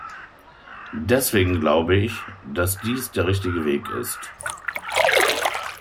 Deswegen glaube ich, dass dies der richtige Weg ist.